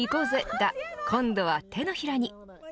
が今度は手のひらに。